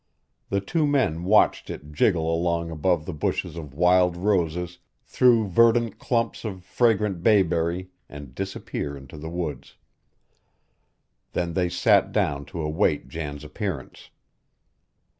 The two men watched it jiggle along above the bushes of wild roses, through verdant clumps of fragrant bayberry, and disappear into the woods. Then they sat down to await Jan's appearance.